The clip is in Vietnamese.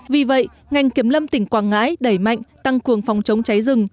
vì vậy ngành kiểm lâm tỉnh quảng ngãi đẩy mạnh tăng cường phòng chống cháy rừng